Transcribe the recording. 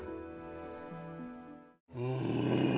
うん！